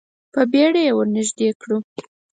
په بیړه یې ور نږدې کړو.